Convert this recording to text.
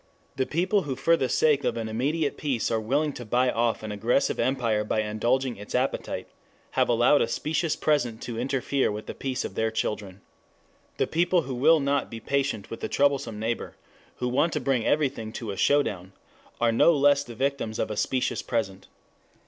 The people who for the sake of an immediate peace are willing to buy off an aggressive empire by indulging its appetite have allowed a specious present to interfere with the peace of their children. The people who will not be patient with a troublesome neighbor, who want to bring everything to a "showdown" are no less the victims of a specious present.